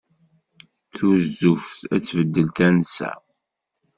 Tuzzuft ad tbeddel tansa.